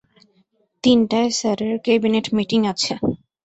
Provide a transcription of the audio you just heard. তিনটায় স্যারের cabinet meeting আছে।